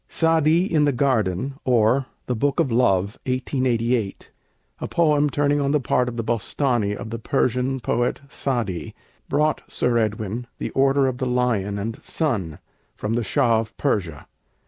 'Sa'di in the Garden; or, The Book of Love' (1888), a poem turning on a part of the 'Bôstâni' of the Persian poet Sa'di, brought Sir Edwin the Order of the Lion and Sun from the Shah of Persia.